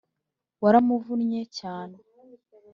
waramuvunnye cyane